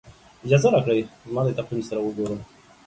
اجازه راکړئ زما د تقویم سره وګورم.